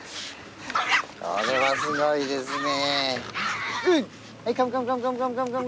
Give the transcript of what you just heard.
これはすごいですね。